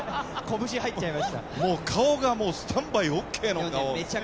顔がスタンバイＯＫの顔。